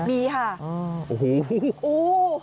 มีไหมครับมีค่ะโอ้โฮโอ้